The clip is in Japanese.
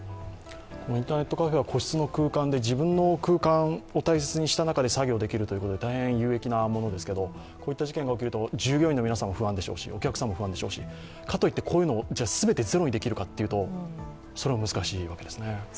インターネットカフェは個室の空間で自分の空間を大切にして作業ができるということで大変有益ですがこういった事件が起きると従業員の皆さんも不安でしょうし、お客さんも不安でしょうし、かといってこういうのを全てゼロにできるというと、それは難しいわけですね。